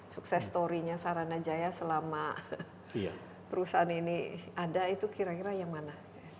sukses story nya saranajaya selama perusahaan ini ada itu kira kira yang mana